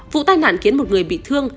vụ tai nạn khiến một người bị thương